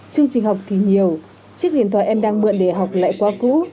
chương trình học thì nhiều chiếc điện thoại em đang mượn để học lại quá cũ